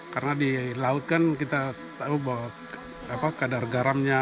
karena di air laut kan kita tahu bahwa kadar garamnya